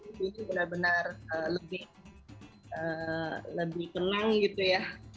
di sini benar benar lebih tenang gitu ya